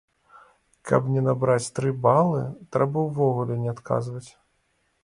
Каб не набраць тры балы, трэба ўвогуле не адказваць!